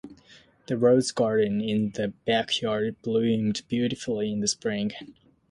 The rose garden in the backyard bloomed beautifully in the spring.